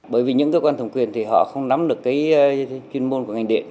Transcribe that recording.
bởi vì những cơ quan thẩm quyền thì họ không nắm được cái chuyên môn của ngành điện